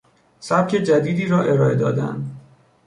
سبک جدیدی را ارائه دادن